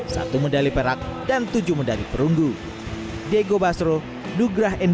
satu medali perak dan tujuh medali perunggu